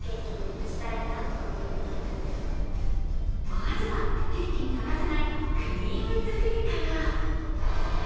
まずは、ケーキに欠かせないクリーム作りから。